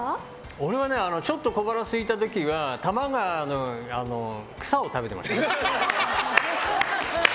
俺はね、ちょっと小腹すいた時は多摩川の草を食べてました。